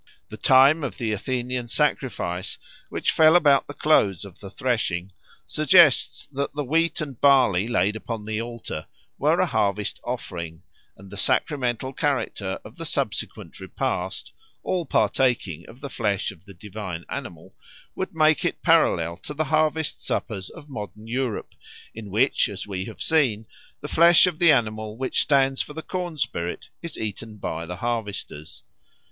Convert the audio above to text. The time of the Athenian sacrifice, which fell about the close of the threshing, suggests that the wheat and barley laid upon the altar were a harvest offering; and the sacramental character of the subsequent repast all partaking of the flesh of the divine animal would make it parallel to the harvest suppers of modern Europe, in which, as we have seen, the flesh of the animal which stands for the corn spirit is eaten by the harvesters.